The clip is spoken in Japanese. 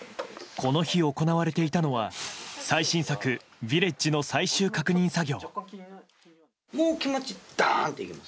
この日行われていたのは最新作「ヴィレッジ」の最終確認作業。